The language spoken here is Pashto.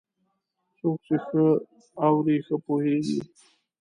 څوک چې ښه اوري، ښه پوهېږي.